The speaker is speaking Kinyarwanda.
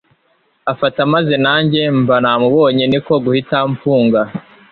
afata maze nanjye mba namubonye niko guhita mfunga